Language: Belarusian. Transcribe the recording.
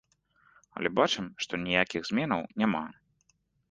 Але бачым, што ніякіх зменаў няма.